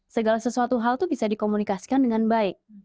segala sesuatu hal itu bisa dikomunikasikan dengan baik